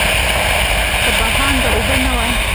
که بهانده اوبه نه وای.